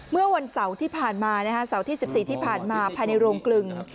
เมื่อวันเสาร์ที่๑๔ที่ผ่านมาภายในโรงกลึง